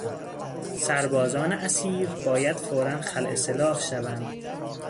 سربازان اسیر باید فورا خلع سلاح شوند.